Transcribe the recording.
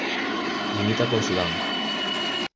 Limita con Sudán.